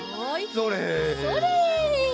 それ！